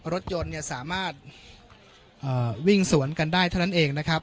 รถยนต์เนี่ยสามารถวิ่งสวนกันได้เท่านั้นเองนะครับ